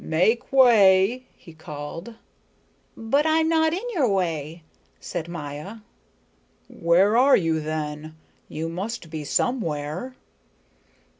"Make way!" he called. "But I'm not in your way," said Maya. "Where are you then? You must be somewhere."